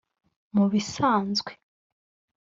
Mu bisanzwe